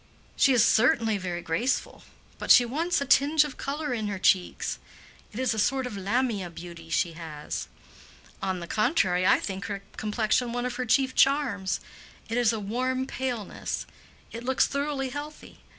"She is certainly very graceful; but she wants a tinge of color in her cheeks. It is a sort of Lamia beauty she has." "On the contrary, I think her complexion one of her chief charms. It is a warm paleness; it looks thoroughly healthy.